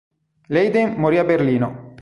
Leyden morì a Berlino.